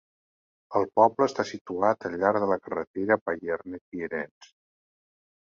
El poble està situat al llarg de la carretera Payerne-Thierrens.